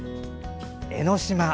江の島。